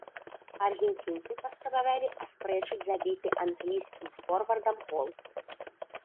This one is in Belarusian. Аргенцінцы паспрабавалі аспрэчыць забіты англійскім форвардам гол.